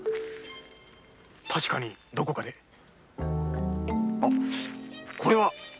確かにどこかでこれはお狩場の。